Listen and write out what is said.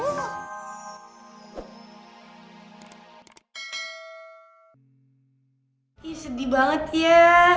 sedi banget ya